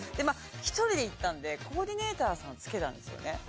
１人で行ったんで、コーディネーターさんをつけたんですよね。